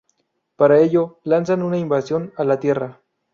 Para ello, lanzan una invasión a la Tierra.